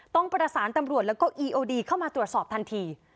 ต้องประสานตำรวจแล้วก็อีโอดีเข้ามาตรวจสอบทันที